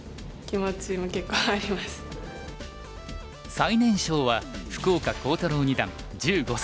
最年少は福岡航太朗二段１５歳。